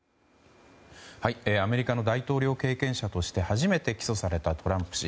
アメリカの大統領経験者として初めて起訴されたトランプ氏。